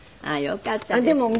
ああよかったです。